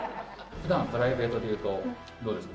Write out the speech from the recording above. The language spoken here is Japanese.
ふだんプライベートでいうとどうですか？